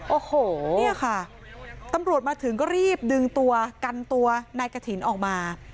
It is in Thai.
โอ้โหเนี่ยค่ะตำรวจมาถึงก็รีบดึงตัวกันตัวนายกฐินออกมา